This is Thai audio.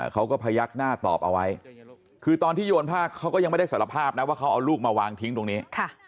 พยักหน้าตอบเอาไว้คือตอนที่โยนผ้าเขาก็ยังไม่ได้สารภาพนะว่าเขาเอาลูกมาวางทิ้งตรงนี้